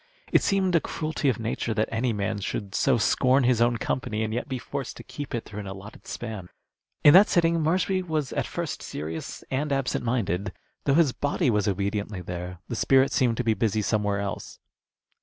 It seemed a cruelty of nature that any man should so scorn his own company and yet be forced to keep it through an allotted span. In that sitting Marshby was at first serious and absent minded. Though his body was obediently there, the spirit seemed to be busy somewhere else.